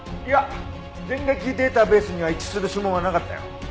いや前歴データベースには一致する指紋はなかったよ。